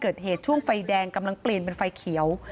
เกิดเหตุช่วงไฟแดงกำลังเปลี่ยนเป็นไฟเขียว